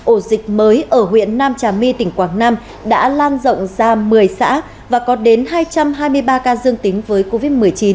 ổ dịch mới ở huyện nam trà my tỉnh quảng nam đã lan rộng ra một mươi xã và có đến hai trăm hai mươi ba ca dương tính với covid một mươi chín